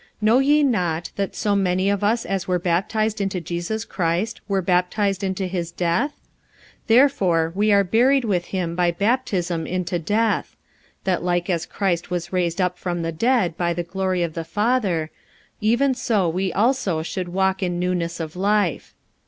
45:006:003 Know ye not, that so many of us as were baptized into Jesus Christ were baptized into his death? 45:006:004 Therefore we are buried with him by baptism into death: that like as Christ was raised up from the dead by the glory of the Father, even so we also should walk in newness of life.